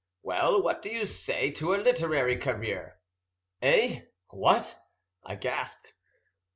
"Well, what do you say to a literary career?" "Eh? What?" I gasped.